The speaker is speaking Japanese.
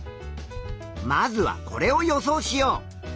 まずはこれを予想しよう。